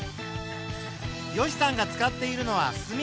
よしさんが使っているのはすみ。